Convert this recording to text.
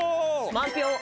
満票。